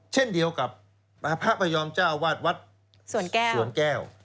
เช่นเดียวกับพระพยอมเจ้าวาดวัดสวนแก้วสวนแก้ว